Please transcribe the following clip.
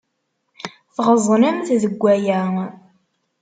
Tɣeẓnemt deg waya.